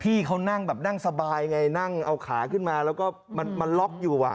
เขานั่งแบบนั่งสบายไงนั่งเอาขาขึ้นมาแล้วก็มันล็อกอยู่